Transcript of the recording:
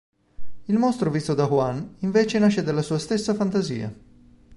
Il mostro visto da Juan, invece nasce dalla sua stessa fantasia.